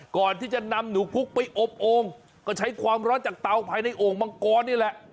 ก่อนที่จะนำหนูพุกไปอบโอ่งก็ใช้ความร้อนจากเตาภายในโอ่งมังกรนี่แหละ